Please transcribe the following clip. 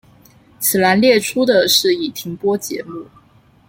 此栏列出的是已停播节目。